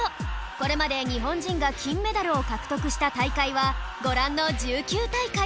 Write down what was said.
これまで日本人が金メダルを獲得した大会はご覧の１９大会